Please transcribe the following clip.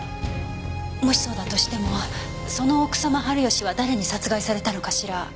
もしそうだとしてもその草間治義は誰に殺害されたのかしら？